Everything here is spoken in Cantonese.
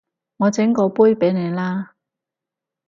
我整過杯畀你啦